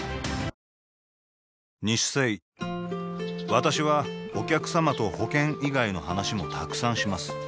私はお客様と保険以外の話もたくさんします